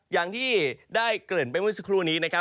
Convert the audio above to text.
อย่างที่ได้เกริ่นไปเมื่อสักครู่นี้นะครับ